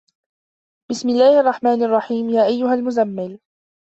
بِسمِ اللَّهِ الرَّحمنِ الرَّحيمِ يا أَيُّهَا المُزَّمِّلُ